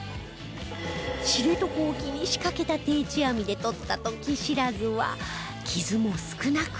知床沖に仕掛けた定置網でとったトキシラズは傷も少なく